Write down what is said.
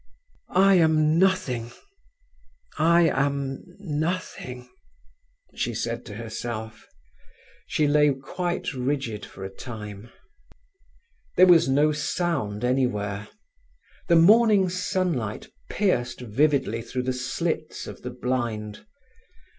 "I am nothing, I am nothing," she said to herself. She lay quite rigid for a time. There was no sound anywhere. The morning sunlight pierced vividly through the slits of the blind.